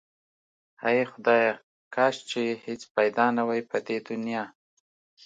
هی خدایا کاش چې هیڅ پیدا نه واي په دی دنیا